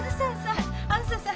あづささん！